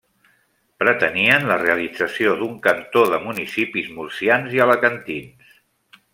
Pretenien la realització d'un cantó de municipis murcians i alacantins.